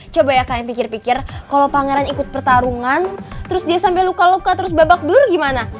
coba ya kalian pikir pikir kalau pangeran ikut pertarungan terus dia sampai luka luka terus babak belur gimana